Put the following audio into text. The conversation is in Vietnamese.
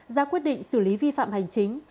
ra quyết định xử lý vi phạm hành chính